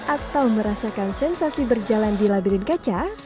atau merasakan sensasi berjalan di labirin kaca